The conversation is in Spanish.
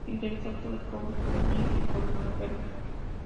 Se interesó por los pobres, por los niños y por los enfermos.